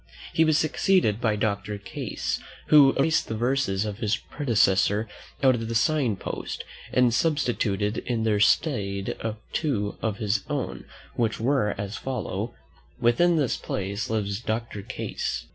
He was succeeded by Doctor Case, who erased the verses of his predecessor out of the sign post, and substituted in their stead two of his own, which were as follow: "Within this place Lives Doctor Case."